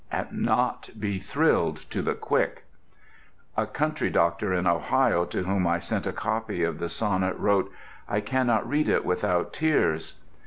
and not be thrilled to the quick. A country doctor in Ohio to whom I sent a copy of the sonnet wrote "I cannot read it without tears."